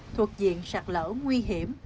thuộc diện sạch lỡ nguy hiểm